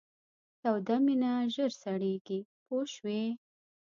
توده مینه ژر سړیږي پوه شوې!.